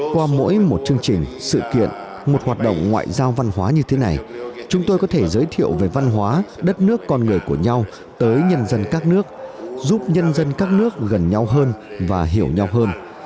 qua mỗi một chương trình sự kiện một hoạt động ngoại giao văn hóa như thế này chúng tôi có thể giới thiệu về văn hóa đất nước con người của nhau tới nhân dân các nước giúp nhân dân các nước gần nhau hơn và hiểu nhau hơn